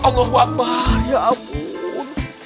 allahu akbar ya ampun